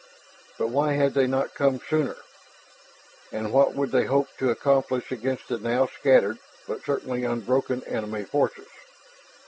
But why had they not come sooner? And what could they hope to accomplish against the now scattered but certainly unbroken enemy forces?